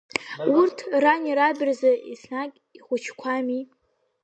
Урҭ рани раби рзы еснагь ихәыҷқәами.